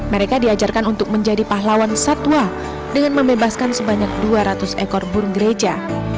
mereka diajarkan untuk menjadi pahlawan satwa dengan membebaskan sebanyak dua ratus ekor burung gereja